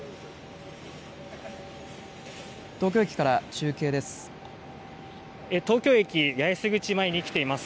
東京駅から中継です。